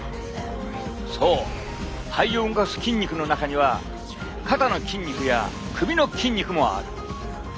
そう肺を動かす筋肉の中には肩の筋肉や首の筋肉もある！